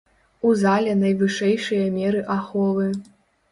У зале найвышэйшыя меры аховы.